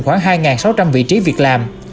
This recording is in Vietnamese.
khoảng hai sáu trăm linh vị trí việc làm